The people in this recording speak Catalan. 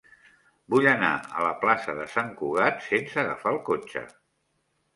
Vull anar a la plaça de Sant Cugat sense agafar el cotxe.